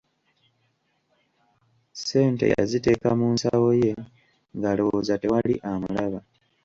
Ssente yaziteeka mu nsawo ye ng'alowooza tewali amulaba.